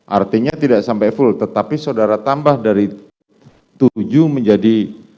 artinya tidak sampai full tetapi saudara tambah dari tujuh menjadi